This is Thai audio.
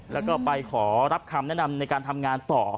แล้วก็ไปขอรับคำแนะนำในการทำงานต่อ